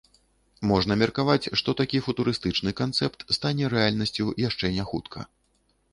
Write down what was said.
Можна меркаваць, што такі футурыстычны канцэпт стане рэальнасцю яшчэ не хутка.